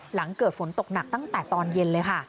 หลังเกิดฝนตกหนักตั้งแต่ตอนเย็นเลยค่ะ